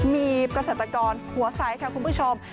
มีเกษตรกรหัวใสค่ะคุณผู้ชม